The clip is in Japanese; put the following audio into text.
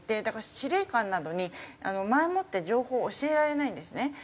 だから司令官などに前もって情報を教えられないんですね。